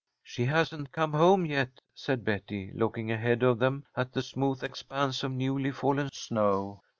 "She hasn't come home yet," said Betty, looking ahead of them at the smooth expanse of newly fallen snow.